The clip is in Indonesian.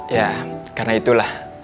ya karena itulah